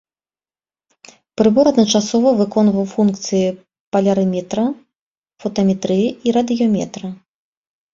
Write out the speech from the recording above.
Прыбор адначасова выконваў функцыі палярыметра, фотаметрыі і радыёметра.